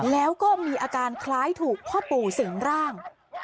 แล้วก็มีอาการคล้ายถูกพ่อปู่สิงร่าง